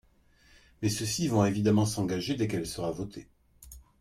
Mais ceux-ci vont évidemment s’engager dès qu’elle sera votée.